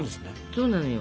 そうなのよ。